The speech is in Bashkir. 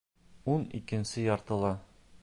— Ун икенсе яртыла.